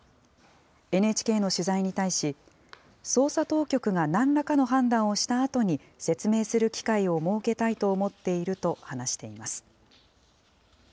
ＮＨＫの取材に対し、捜査当局がなんらかを判断をしたあとに、説明する機会を設けたいと思っていると話しています。